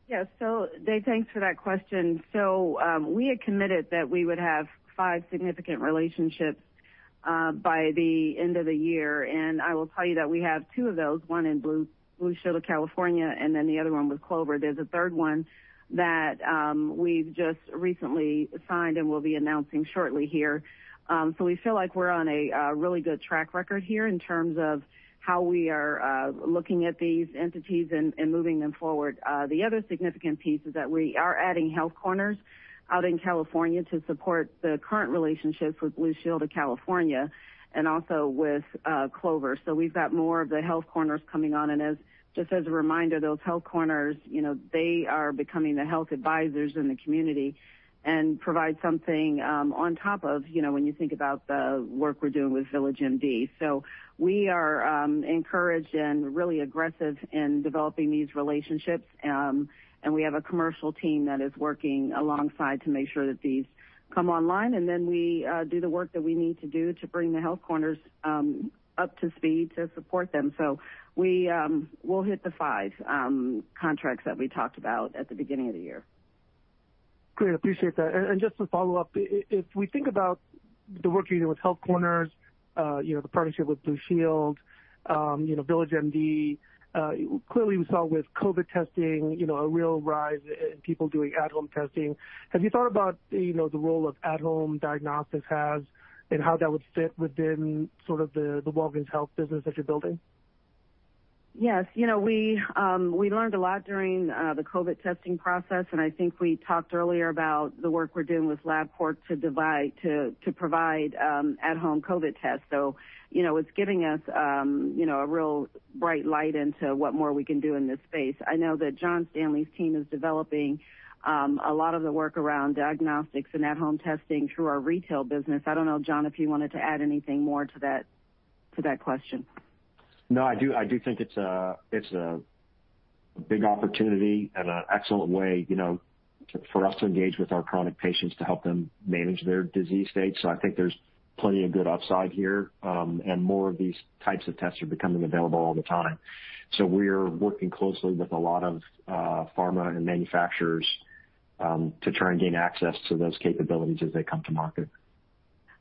Yes. Charles, thanks for that question. We had committed that we would have five significant relationships by the end of the year, and I will tell you that we have two of those, one in Blue Shield of California, and then the other one with Clover. There's a third one that we've just recently signed and we'll be announcing shortly here. We feel like we're on a really good track record here in terms of how we are looking at these entities and moving them forward. The other significant piece is that we are adding Health Corners out in California to support the current relationships with Blue Shield of California and also with Clover. We've got more of the Health Corners coming on. As just a reminder, those Health Corners, you know, they are becoming the health advisors in the community and provide something on top of, you know, when you think about the work we're doing with VillageMD. We are encouraged and really aggressive in developing these relationships. We have a commercial team that is working alongside to make sure that these come online, and then we do the work that we need to do to bring the Health Corners up to speed to support them. We will hit the five contracts that we talked about at the beginning of the year. Great. I appreciate that. Just to follow up, if we think about the work you're doing with Health Corners, you know, the partnership with Blue Shield, you know, VillageMD, clearly we saw with COVID testing, you know, a real rise in people doing at-home testing. Have you thought about, you know, the role of at-home diagnostics has and how that would fit within sort of the Walgreens Health business that you're building? Yes. You know, we learned a lot during the COVID testing process, and I think we talked earlier about the work we're doing with LabCorp to provide at-home COVID tests. You know, it's giving us a real bright light into what more we can do in this space. I know that John Standley's team is developing a lot of the work around diagnostics and at-home testing through our retail business. I don't know, John, if you wanted to add anything more to that question. No, I do think it's a big opportunity and an excellent way, you know, for us to engage with our chronic patients to help them manage their disease state. I think there's plenty of good upside here, and more of these types of tests are becoming available all the time. We're working closely with a lot of pharma and manufacturers to try and gain access to those capabilities as they come to market.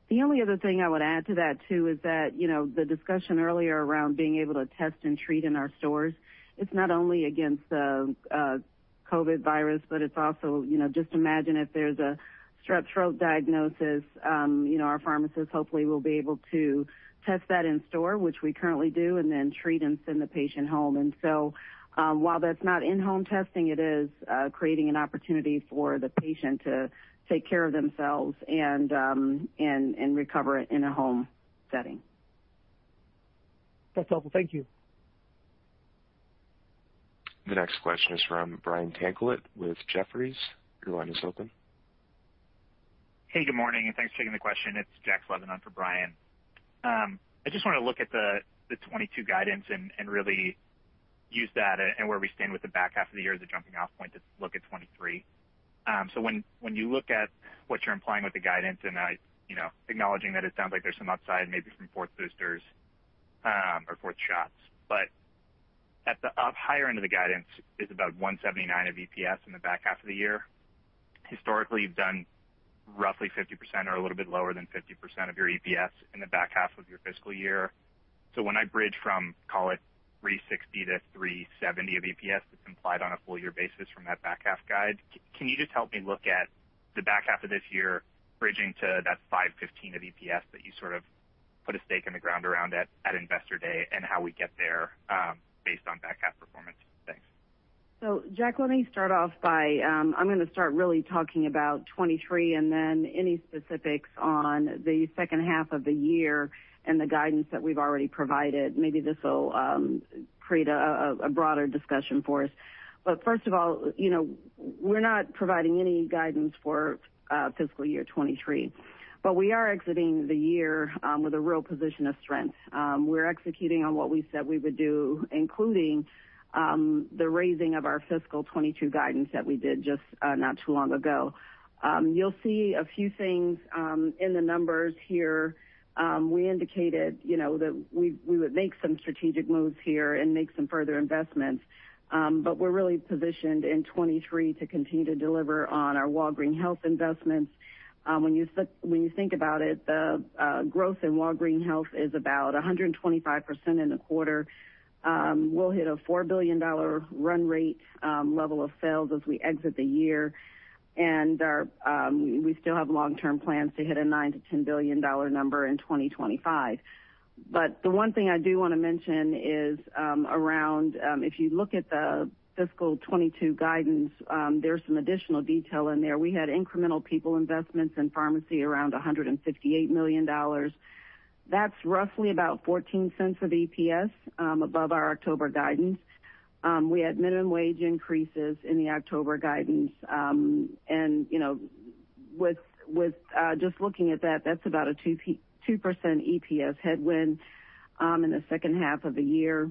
The only other thing I would add to that too is that, you know, the discussion earlier around being able to test and treat in our stores. It's not only against the COVID virus, but it's also, you know, just imagine if there's a strep throat diagnosis. You know, our pharmacist hopefully will be able to test that in store, which we currently do, and then treat and send the patient home. While that's not in-home testing, it is creating an opportunity for the patient to take care of themselves and recover in a home setting. That's helpful. Thank you. The next question is from Brian Tanquilut with Jefferies. Your line is open. Hey, good morning, and thanks for taking the question. It's Jack Slevin for Brian. I just wanna look at the 2022 guidance and really use that and where we stand with the back half of the year as a jumping off point to look at 2023. When you look at what you're implying with the guidance and you know, acknowledging that it sounds like there's some upside maybe from fourth boosters or fourth shots. At the upper end of the guidance is about 179 of EPS in the back half of the year. Historically, you've done roughly 50% or a little bit lower than 50% of your EPS in the back half of your fiscal year. When I bridge from, call it, $3.60-3.70 EPS, it's implied on a full year basis from that back half guide. Can you just help me look at the back half of this year bridging to that $5.15 EPS that you sort of put a stake in the ground around at Investor Day and how we get there, based on back half performance? Thanks. Jack, let me start off by, I'm gonna start really talking about 2023 and then any specifics on the H2 of the year and the guidance that we've already provided. Maybe this'll create a broader discussion for us. First of all, you know, we're not providing any guidance for fiscal 2023, but we are exiting the year with a real position of strength. We're executing on what we said we would do, including the raising of our fiscal 2022 guidance that we did just not too long ago. You'll see a few things in the numbers here. We indicated, you know, that we would make some strategic moves here and make some further investments. We're really positioned in 2023 to continue to deliver on our Walgreens Health investments. When you think about it, the growth in Walgreens Health is about 125% in the quarter. We'll hit a $4 billion run rate level of sales as we exit the year. We still have long-term plans to hit a $9-10 billion number in 2025. The one thing I do wanna mention is, if you look at the fiscal 2022 guidance, there's some additional detail in there. We had incremental people investments in pharmacy around $158 million. That's roughly about 14 cents of EPS above our October guidance. We had minimum wage increases in the October guidance. You know, with just looking at that's about a 2% EPS headwind in the second half of the year.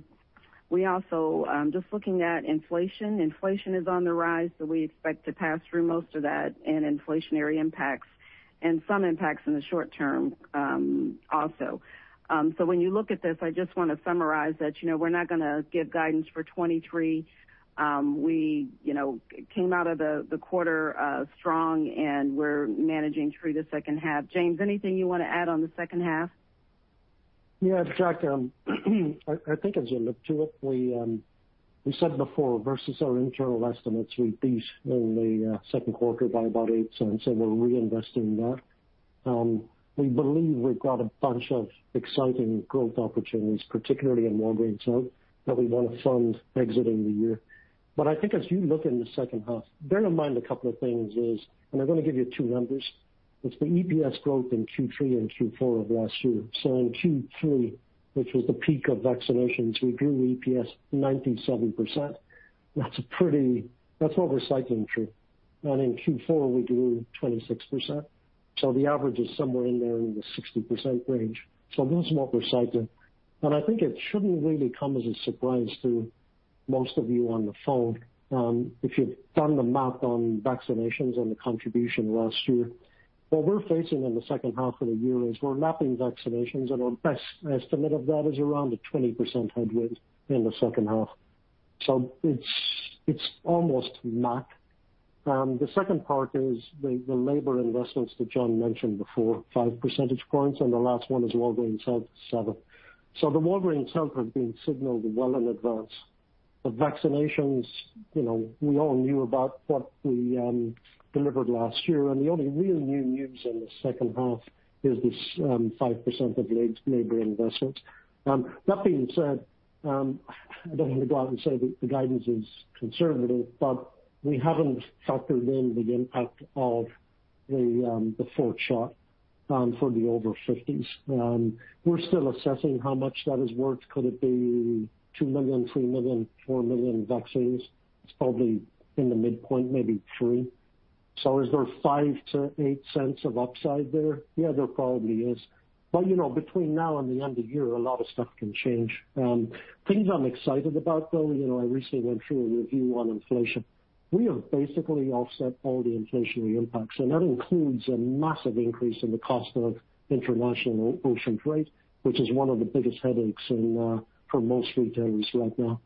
We also just looking at inflation. Inflation is on the rise, so we expect to pass through most of that and inflationary impacts and some impacts in the short term, also. When you look at this, I just wanna summarize that, you know, we're not gonna give guidance for 2023. We, you know, came out of the quarter strong and we're managing through the second half. James, anything you wanna add on the second half? Yeah, Jack, I think as you look to it, we said before versus our internal estimates, we beat in Q2 by about $0.08, and we're reinvesting that. We believe we've got a bunch of exciting growth opportunities, particularly in Walgreens Health, that we wanna fund exiting the year. I think as you look in H2, bear in mind a couple of things is, and I'm gonna give you two numbers. It's the EPS growth in Q3 and Q4 of last year. In Q3, which was the peak of vaccinations, we grew EPS 97%. That's a pretty tough comp. In Q4, we grew 26%. The average is somewhere in there in the 60% range. That's more recycling. I think it shouldn't really come as a surprise to most of you on the phone, if you've done the math on vaccinations and the contribution last year. What we're facing in the second half of the year is we're lapping vaccinations, and our best estimate of that is around a 20% headwind in the second half. It's almost math. The second part is the labor investments that John mentioned before, five percentage points, and the last one is Walgreens Boots, seven. The Walgreens Boots had been signaled well in advance. The vaccinations, you know, we all knew about what we delivered last year, and the only real new news in the second half is this 5% of labor investments. That being said, I don't wanna go out and say the guidance is conservative, but we haven't factored in the impact of the fourth shot for the over fifties. We're still assessing how much that is worth. Could it be two million, three million, four million vaccines? It's probably in the midpoint, maybe three million. So is there $0.05-0.08 of upside there? Yeah, there probably is. You know, between now and the end of year, a lot of stuff can change. Things I'm excited about, though, you know, I recently went through a review on inflation. We have basically offset all the inflationary impacts, and that includes a massive increase in the cost of international ocean freight, which is one of the biggest headaches for most retailers right now.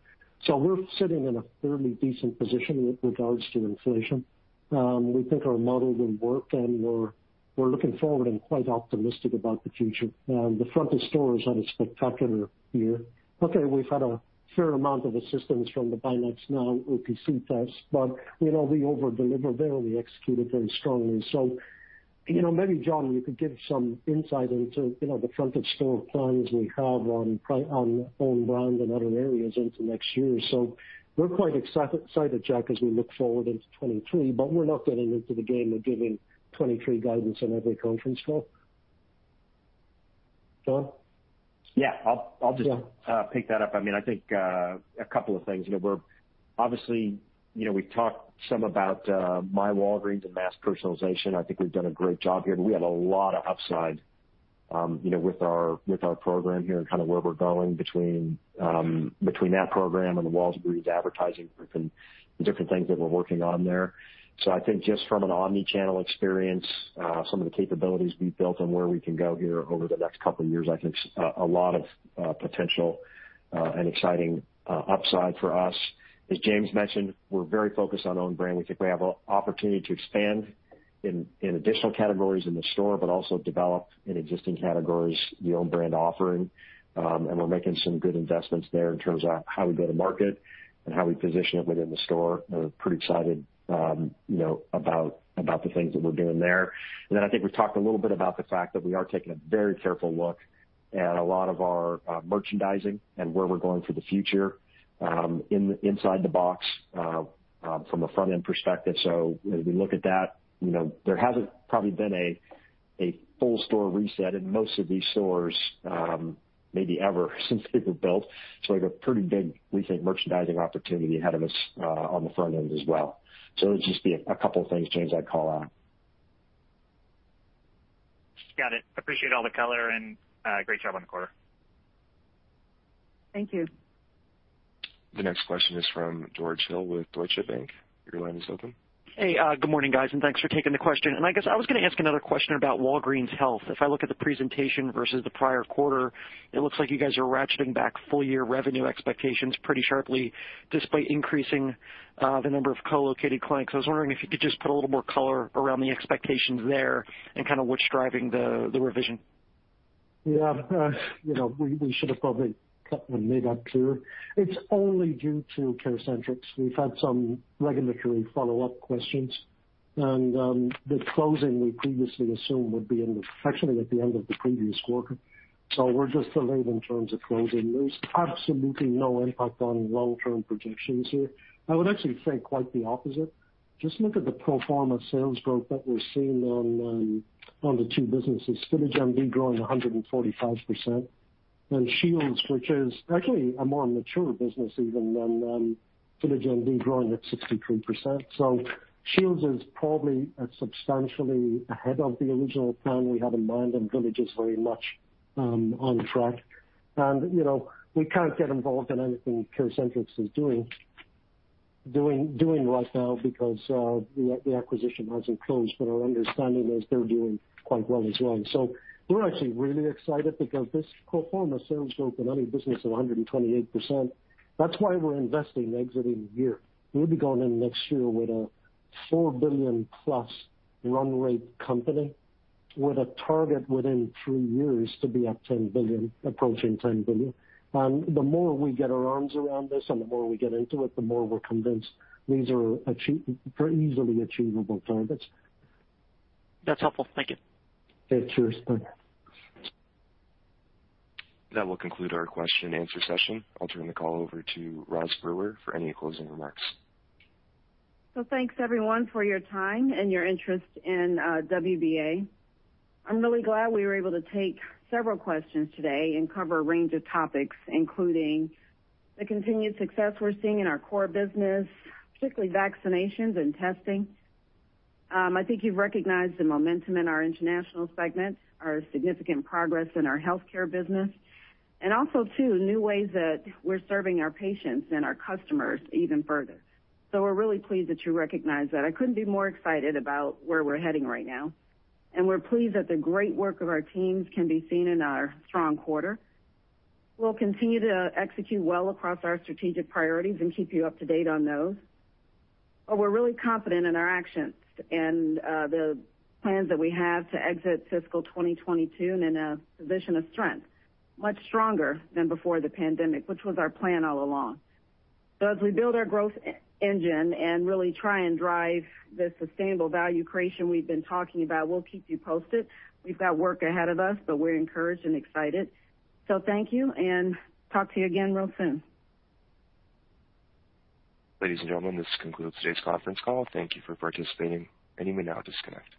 We're sitting in a fairly decent position with regards to inflation. We think our model will work and we're looking forward and quite optimistic about the future. The front of store has had a spectacular year. Okay, we've had a fair amount of assistance from the BinaxNOW OTC test, but, you know, we over-deliver there and we execute it very strongly. You know, maybe, John, you could give some insight into, you know, the front of store plans we have on own brand and other areas into next year. We're quite excited, Jack, as we look forward into 2023, but we're not getting into the game of giving 2023 guidance on every conference call. John? Yeah. I'll..... Yeah. Pick that up. I mean, I think a couple of things. You know, we're obviously, you know, we've talked some about myWalgreens and mass personalization. I think we've done a great job here, but we have a lot of upside, you know, with our program here and kinda where we're going between that program and the Walgreens Advertising Group and the different things that we're working on there. I think just from an omni-channel experience, some of the capabilities we've built and where we can go here over the next couple of years, I think a lot of potential and exciting upside for us. As James mentioned, we're very focused on own brand. We think we have an opportunity to expand in additional categories in the store, but also develop in existing categories the own brand offering. We're making some good investments there in terms of how we go to market and how we position it within the store. We're pretty excited, you know, about the things that we're doing there. I think we've talked a little bit about the fact that we are taking a very careful look at a lot of our merchandising and where we're going for the future, inside the box, from a front-end perspective. As we look at that, you know, there hasn't probably been a full store reset in most of these stores, maybe ever since they were built. We've a pretty big rethink merchandising opportunity ahead of us, on the front end as well. It'd just be a couple of things, James, I'd call out. Got it. Appreciate all the color and great job on the quarter. Thank you. The next question is from George Hill with Deutsche Bank. Your line is open. Hey, good morning, guys, and thanks for taking the question. I guess I was gonna ask another question about Walgreens Health. If I look at the presentation versus the prior quarter, it looks like you guys are ratcheting back full year revenue expectations pretty sharply despite increasing the number of co-located clinics. I was wondering if you could just put a little more color around the expectations there and kinda what's driving the revision. Yeah. You know, we should have probably cut or made that clear. It's only due to CareCentrix. We've had some regulatory follow-up questions. The closing we previously assumed would be actually at the end of the previous quarter. We're just delayed in terms of closing. There's absolutely no impact on long-term projections here. I would actually say quite the opposite. Just look at the pro forma sales growth that we're seeing on the two businesses. VillageMD growing 145%, and Shields, which is actually a more mature business even than VillageMD, growing at 63%. Shields is probably substantially ahead of the original plan we had in mind, and Village is very much on track. You know, we can't get involved in anything CareCentrix is doing right now because the acquisition hasn't closed, but our understanding is they're doing quite well as well. We're actually really excited because this pro forma sales growth in any business of 128%, that's why we're investing as we exit the year. We'll be going in next year with a $4 billion+ run rate company with a target within three years to be at $10 billion, approaching $10 billion. The more we get our arms around this and the more we get into it, the more we're convinced these are very easily achievable targets. That's helpful. Thank you. Yeah. Cheers. Bye. That will conclude our question and answer session. I'll turn the call over to Roz Brewer for any closing remarks. Thanks everyone for your time and your interest in WBA. I'm really glad we were able to take several questions today and cover a range of topics, including the continued success we're seeing in our core business, particularly vaccinations and testing. I think you've recognized the momentum in our international segment, our significant progress in our healthcare business, and also too, new ways that we're serving our patients and our customers even further. We're really pleased that you recognize that. I couldn't be more excited about where we're heading right now, and we're pleased that the great work of our teams can be seen in our strong quarter. We'll continue to execute well across our strategic priorities and keep you up to date on those. We're really confident in our actions and the plans that we have to exit fiscal 2022 in a position of strength, much stronger than before the pandemic, which was our plan all along. As we build our growth engine and really try and drive the sustainable value creation we've been talking about, we'll keep you posted. We've got work ahead of us, but we're encouraged and excited. Thank you, and talk to you again real soon. Ladies and gentlemen, this concludes today's conference call. Thank you for participating, and you may now disconnect.